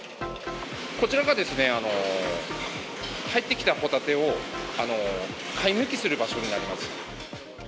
こちらが、入ってきたホタテを貝むきする場所になります。